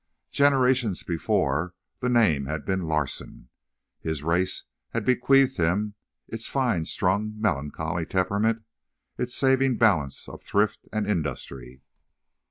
Generations before, the name had been "Larsen." His race had bequeathed him its fine strung, melancholy temperament, its saving balance of thrift and industry.